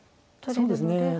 そうですね。